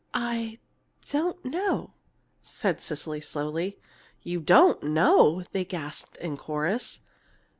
"I don't know!" said Cecily slowly. "You don't know!" they gasped in chorus.